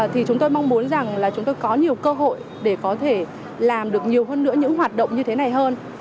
thì chúng tôi mong muốn rằng là chúng tôi có nhiều cơ hội để có thể làm được nhiều hơn nữa những hoạt động như thế này hơn